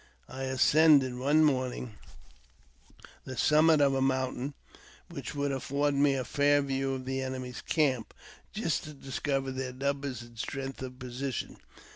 I ascended, one morning, the summit of a mountain, which would afford me a fair view of the enemy's camp, just to discover their numbers and strength of position.